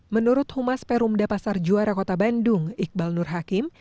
menurut humas perumda pasar juara kota bandung iqbal nur hakim